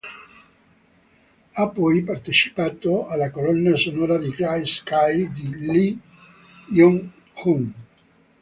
Ha poi partecipato alla colonna sonora di "Gray Sky" di Lee Hyun-jung.